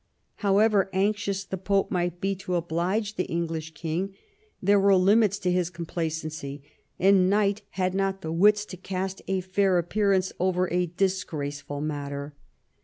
However anxious the Pope might be to oblige the English king, there were limits to his complacency, and Knight had not the wits to cast a fair appearance over a disgraceful matter.